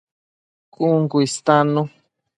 Cun cu istannu